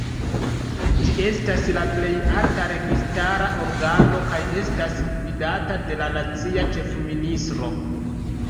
Ĝi estas la plej alta registara organo, kaj estas gvidata de la nacia ĉefministro.